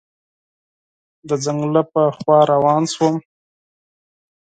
د ځنګله په لور روان شوم.